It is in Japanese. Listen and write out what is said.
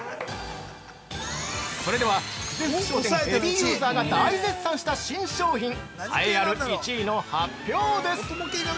◆それでは、久世福商店ヘビーユーザーが大絶賛した新商品栄えある１位の発表です！